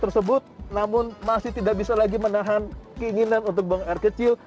tersebut namun masih tidak bisa lagi menahan keinginan untuk buang air kecil